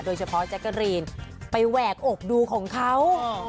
โดยเฉพาะแจ๊กกะรีนไปแหวกอกดูของเขา